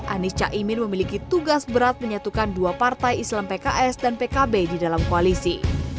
anies caimin memiliki tugas berat menyatukan dua partai islam pks dan pkb di dalam koalisi